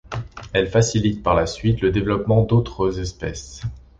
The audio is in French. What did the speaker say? Elles facilitent par la suite le développement d'autres espèces.